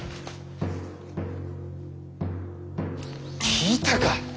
聞いたか？